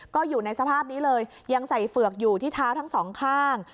ก็อยู่ในสภาพนี้เลยยังใส่เฝือกอยู่ที่เท้าทั้งสองข้าง